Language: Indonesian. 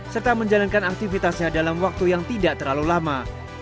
serta menjalankan aktivitasnya dalam waktu yang tidak terlalu lama